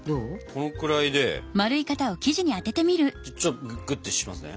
このくらいでちょっとグッとしますね。